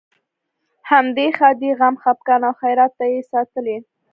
همدې ښادۍ، غم، خپګان او خیرات ته یې ساتلې.